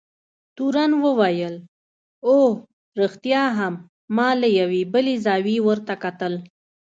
تورن وویل: اوه، رښتیا هم، ما له یوې بلې زاویې ورته کتل.